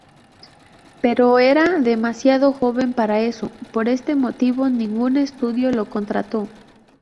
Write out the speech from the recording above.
Pero era demasiado joven para eso, por ese motivo ningún estudio lo contrató.